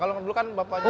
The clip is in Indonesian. kalau dulu kan bapaknya